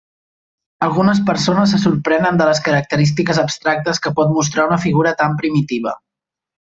Algunes persones se sorprenen de les característiques abstractes que pot mostrar una figura tan primitiva.